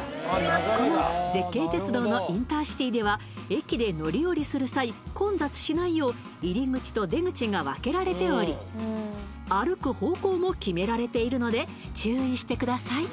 この絶景鉄道のインターシティでは駅で乗り降りする際混雑しないよう入り口と出口が分けられており歩く方向も決められているので注意してください